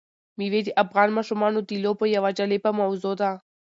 مېوې د افغان ماشومانو د لوبو یوه جالبه موضوع ده.